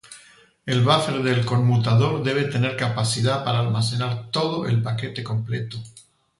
El buffer del conmutador debe tener capacidad para almacenar todo el paquete completo.